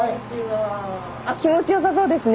あ気持ちよさそうですね。